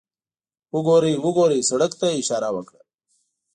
وګورئ، وګورئ، سړک ته یې اشاره وکړه.